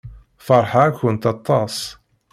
Feṛḥeɣ-akent aṭas.